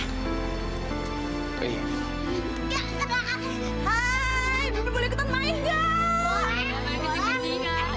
hai bibi boleh ikutan main gak